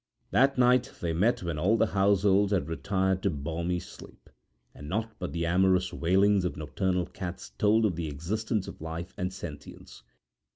That night they met when all households had retired to balmy sleep, and naught but the amorous wailings of nocturnal cats told of the existence of life and sentience.